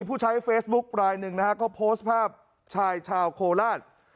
ผู้ใช้เฟซบุ๊คลายหนึ่งนะฮะก็โพสต์ภาพชายชาวโคราช